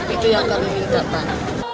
itu yang kami minta pak